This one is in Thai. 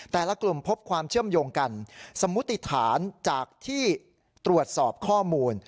แต่ละกลุ่มพบความเชื่อมโยงกันสมุติฐานจากที่ตรวจสอบข้อมูล